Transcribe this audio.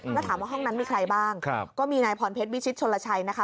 แล้วถามว่าห้องนั้นมีใครบ้างก็มีนายพรเพชรวิชิตชนลชัยนะคะ